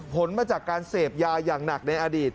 ผลมาจากการเสพยาอย่างหนักในอดีต